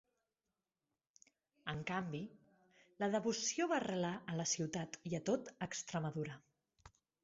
En canvi, la devoció va arrelar a la ciutat i a tot Extremadura.